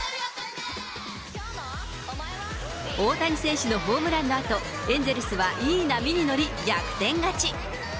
大谷選手のホームランのあと、エンゼルスはいい波に乗り、逆転勝ち。